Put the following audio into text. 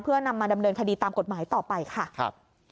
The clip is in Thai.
เพื่อนำมาดำเนินคดีตามกฎหมายต่อไปค่ะครับ